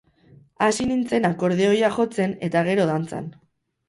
Hasi nintzen akordeoia jotzen eta gero dantzan.